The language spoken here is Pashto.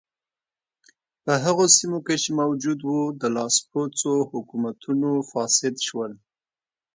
په هغو سیمو کې چې موجود و د لاسپوڅو حکومتونو فاسد شول.